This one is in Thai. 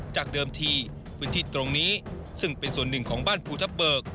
จากเดิมทีพื้นที่ตรงนี้ซึ่งเป็นส่วนหนึ่งของบ้านภูทับเบิก